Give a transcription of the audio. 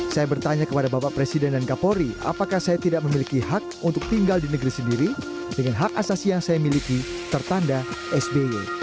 saya bertanya kepada bapak presiden dan kapolri apakah saya tidak memiliki hak untuk tinggal di negeri sendiri dengan hak asasi yang saya miliki tertanda sby